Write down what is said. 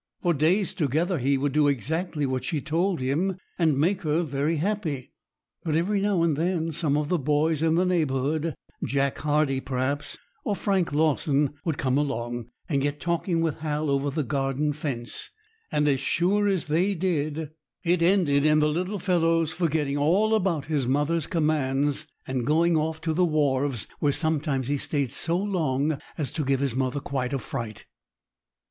For days together he would do exactly what she told him, and make her very happy. But every now and then some of the boys in the neighbourhood—Jack Hardie, perhaps, or Frank Lawson—would come along, and get talking with Hal over the garden fence; and as sure as they did, it ended in the little fellow's forgetting all about his mother's commands, and going off to the wharves, where sometimes he stayed so long as to give his mother quite a fright.